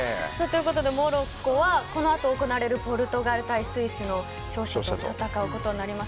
モロッコはこの後ポルトガル対スイスの勝者と戦うことになります。